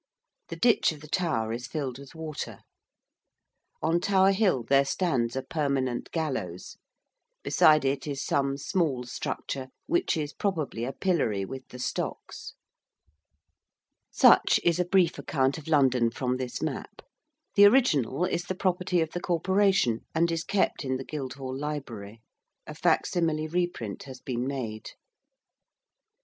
The ditch of the Tower is filled with water. On Tower Hill there stands a permanent gallows: beside it is some small structure, which is probably a pillory with the stocks. Such is a brief account of London from this map. The original is the property of the Corporation and is kept in the Guildhall Library. A facsimile reprint has been made.